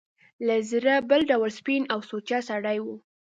له زړه بل ډول سپین او سوچه سړی و.